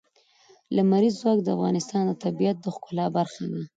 لمریز ځواک د افغانستان د طبیعت د ښکلا برخه ده.